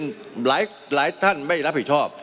มันมีมาต่อเนื่องมีเหตุการณ์ที่ไม่เคยเกิดขึ้น